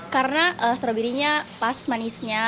karena stroberinya pas manisnya